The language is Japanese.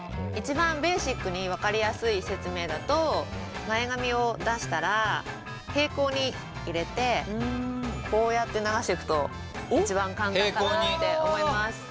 一番ベーシックに分かりやすい説明だと前髪を出したら平行に入れてこうやって流していくと一番簡単かなって思います。